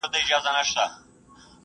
باطل لکه خاشاک داسي په اوبو کي ولاړی.